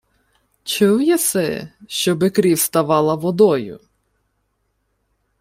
— Чув єси, щоби крів ставала водою?